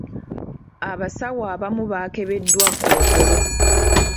Abasawo abamu baakebeddwa Kkookolo.